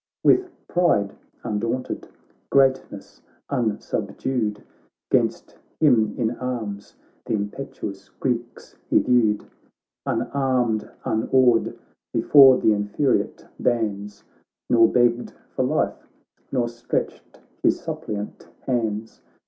With pride undaunted, greatness un subdued, 'Gainst him inarms the impetuous Greeks he viewed, Unarmed, unawed, before th' infuriate bands. Nor begged for life, nor stretched his suppliant hands.